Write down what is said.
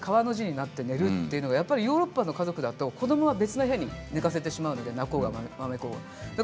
親子で川の字になって寝るというのがヨーロッパの家族だと子どもは別の部屋に寝かせてしまうので泣こうがわめこうが。